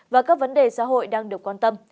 và các vấn đề xã hội đang được quan tâm